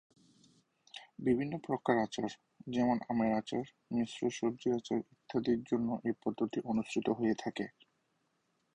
বিভিন্ন প্রকার আচার, যেমনঃ আমের আচার, মিশ্র সবজির আচার ইত্যাদির জন্য এই পদ্ধতি অনুসৃত হয়ে থাকে।